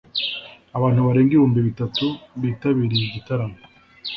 abantu barenga ibihumbi bitatu bitabiriye igitaramo.